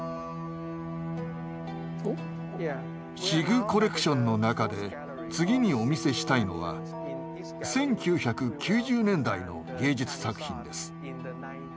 シグコレクションの中で次にお見せしたいのは１９９０年代の芸術作品です。